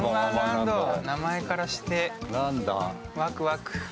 名前からしてワクワク。